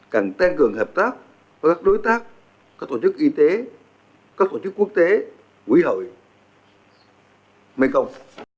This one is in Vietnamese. cần tăng cường hợp tác với các đối tác các tổ chức y tế các tổ chức quốc tế quỹ hội mekong